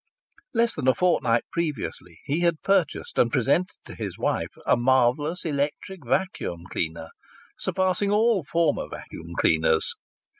Less than a fortnight previously he had purchased and presented to his wife a marvellous electric vacuum cleaner, surpassing all former vacuum cleaners.